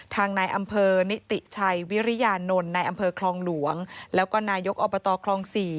ทางนายอำเภอนิติชัยวิริยานนท์ในอำเภอคลองหลวงแล้วก็นายกอบตคลอง๔